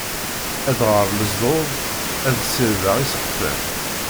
Ad d-rreɣ lesdud, ad sirdeɣ iseqfan.